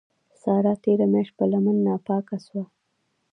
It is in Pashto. سارا تېره مياشت په لمن ناپاکه سوه.